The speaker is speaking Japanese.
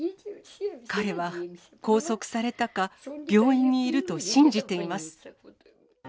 彼は拘束されたか、病院にいると信じています。